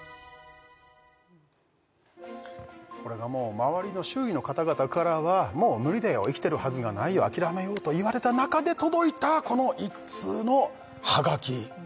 これがもう周りの周囲の方々からはもう無理だよ生きてるはずがないよ諦めようと言われた中で届いたこの１通のはがき